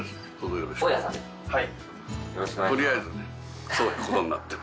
はい。